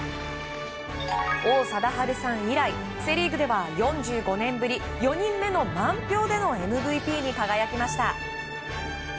王貞治さん以来、セ・リーグでは４５年ぶり４人目の満票でのＭＶＰに輝きました。